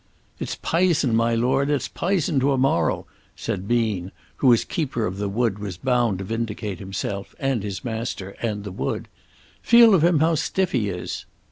"It's pi'son, my lord; it's pi'son to a moral," said Bean, who as keeper of the wood was bound to vindicate himself, and his master, and the wood. "Feel of him, how stiff he is."